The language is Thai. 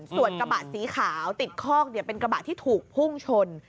ส่วนกระบะสีขาวติดคอกเป็นกระบะที่ถูกพุ่งชน